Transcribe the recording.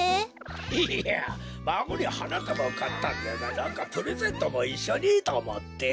いやまごにはなたばをかったんじゃがなんかプレゼントもいっしょにとおもって。